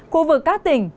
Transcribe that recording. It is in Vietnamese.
khu vực các tỉnh